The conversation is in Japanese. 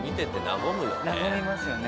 なごみますよね。